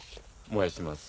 燃やします。